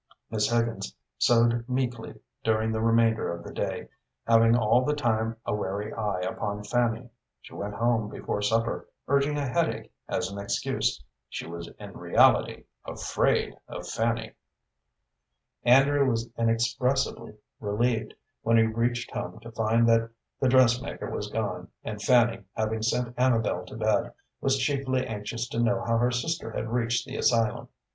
Miss Higgins sewed meekly during the remainder of the day, having all the time a wary eye upon Fanny. She went home before supper, urging a headache as an excuse. She was in reality afraid of Fanny. Andrew was inexpressibly relieved when he reached home to find that the dressmaker was gone, and Fanny, having sent Amabel to bed, was chiefly anxious to know how her sister had reached the asylum.